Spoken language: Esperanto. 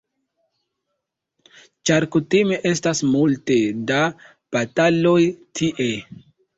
Ĉar kutime estas multe da bataloj tie.